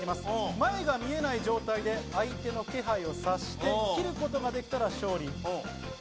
前が見えない状態で相手の気配を察して斬ることができたら勝利となります。